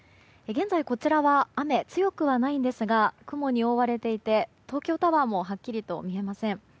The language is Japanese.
現在こちらは雨、強くはないんですが雲に覆われていて、東京タワーもはっきりと見えません。